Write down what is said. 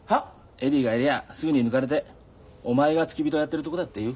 エディがいりゃすぐに抜かれてお前が付き人やってるとこだったよ。